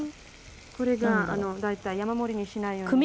これが大体山盛りにしないように。